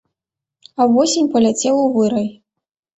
А ўвосень паляцеў у вырай.